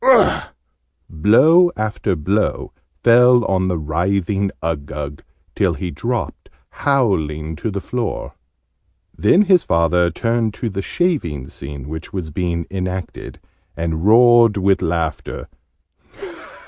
Blow after blow fell on the writhing Uggug, till he dropped howling to the floor. {Image...'Hammer it in!'} Then his father turned to the 'shaving' scene which was being enacted, and roared with laughter.